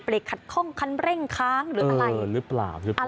เบรกขัดข้องคันเร่งค้างหรืออะไรหรือเปล่า